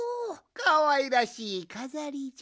かわいらしいかざりじゃ。